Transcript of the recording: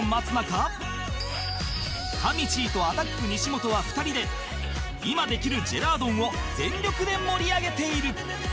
かみちぃとアタック西本は２人で今できるジェラードンを全力で盛り上げている